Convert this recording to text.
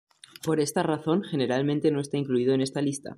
Por esta razón, generalmente no está incluido en esta lista.